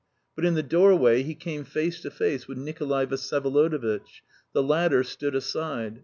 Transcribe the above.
But in the doorway he came face to face with Nikolay Vsyevolodovitch; the latter stood aside.